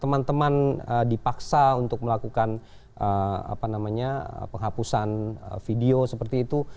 teman teman dipaksa untuk melakukan penghapusan video seperti itu